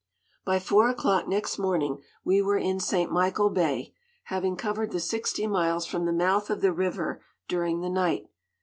By four o'clock next morning we were in St. Michael Bay, having covered the sixty miles from the mouth of the river during the night.